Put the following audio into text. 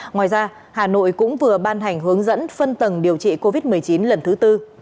ngoài ra hà nội cũng vừa ban hành hướng dẫn phân tầng điều trị covid một mươi chín lần thứ tư